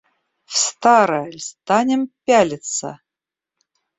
В старое ль станем пялиться?